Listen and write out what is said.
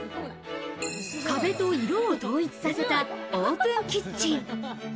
壁と色を統一させたオープンキッチン。